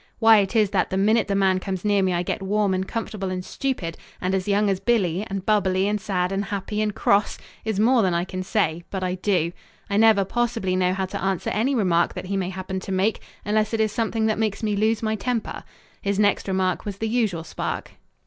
Why it is that the minute that man comes near me I get warm and comfortable and stupid, and as young as Billy, and bubbly and sad and happy and cross, is more than I can say, but I do. I never possibly know how to answer any remark that he may happen to make, unless it is something that makes me lose my temper. His next remark was the usual spark.